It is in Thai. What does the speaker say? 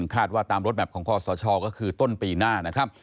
คาดว่าตามรถแมพของคอสชก็คือต้นปีหน้านะครับ